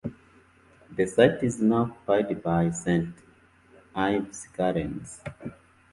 The site is now occupied by St Ives Gardens.